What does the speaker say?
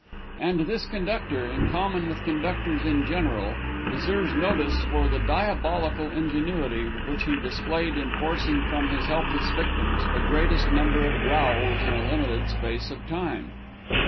And this conductor, in common with conductors in general, deserves notice for the diabolical ingenuity which he displayed in forcing from his helpless victims the greatest number of growls in a limited space of time.